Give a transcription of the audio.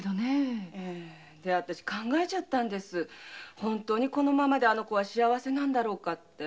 本当にこのままであの子幸せなのかって。